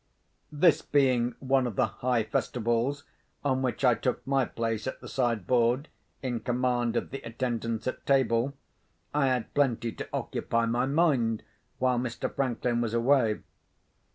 This being one of the high festivals on which I took my place at the side board, in command of the attendance at table, I had plenty to occupy my mind while Mr. Franklin was away.